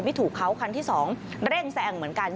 ถูกเขาคันที่๒เร่งแซงเหมือนกัน